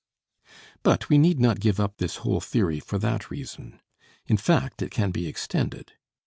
But we need not give up this whole theory for that reason. In fact, it can be extended.